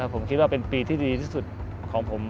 ผมคิดว่าเป็นปีที่ดีที่สุดของผม